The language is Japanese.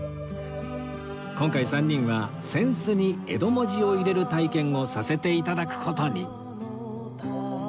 今回３人は扇子に江戸文字を入れる体験をさせて頂く事に